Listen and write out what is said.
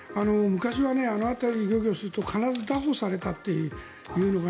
昔はあの辺りで漁業すると必ずだ捕されたというのが。